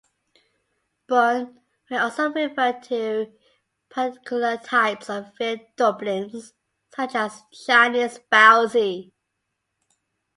"Bun" may also refer to particular types of filled dumplings, such as Chinese baozi.